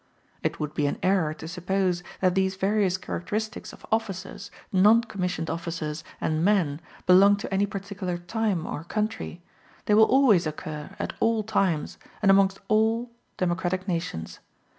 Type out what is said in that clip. It would be an error to suppose that these various characteristics of officers, non commissioned officers, and men, belong to any particular time or country; they will always occur at all times, and amongst all democratic nations.